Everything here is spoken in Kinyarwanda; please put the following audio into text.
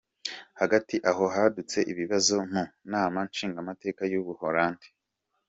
Hagati aho, hadutse ibibazo mu nama nshingamateka y'Ubuholandi.